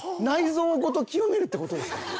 内臓ごと清めるってことですか？